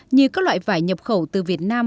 như các loại vải nhập khẩu từ việt nam